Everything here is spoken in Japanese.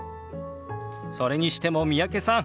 それにしても三宅さん